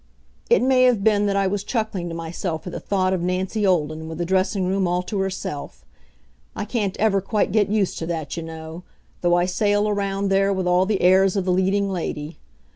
It may have been that I was chuckling to myself at the thought of Nancy Olden with a dressing room all to herself. I can't ever quite get used to that, you know, though I sail around there with all the airs of the leading lady.